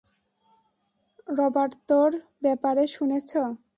রবার্তোর ব্যাপারে শুনেছো?